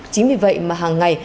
chính vì vậy mà hằng ngày